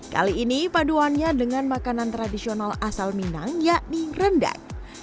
kali ini paduannya dengan makanan tradisional asal minang yakni rendang